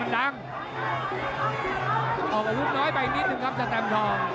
ออกลุ่มน้อยไปนิดนึง